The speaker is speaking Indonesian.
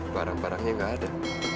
barang barangnya gak ada